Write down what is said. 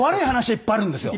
いっぱいあるんですよ。